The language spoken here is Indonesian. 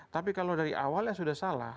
tapi kalau dari awalnya sudah salah